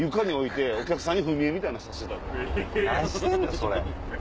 それ。